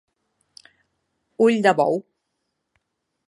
Ull de bou.